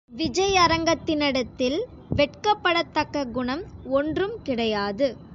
விஜயரங்கத்தினிடத்தில், வெட்கப்படத்தக்க குணம் ஒன்றும் கிடையாது.